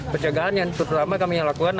pencegahan yang terutama kami lakukan